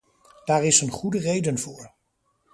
Daar is een goede reden voor.